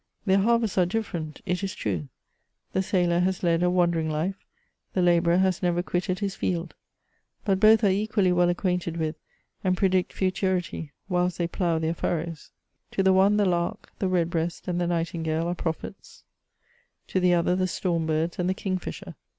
Their harvests are dif ferent, it is true ; the sailor has led a wandering life, the labourer has never quitted his field ; but both are equally well acquainted with, and predict futurity whilst they plough their furrows. To the one the lark, the redbreast, and the nightingale are prophets ; to the other the storm birds and the kingfisher.